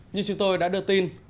như chúng tôi đã đưa tin